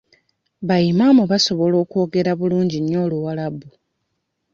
Ba Imam basobola okwogera bulungi nnyo Oluwalabu.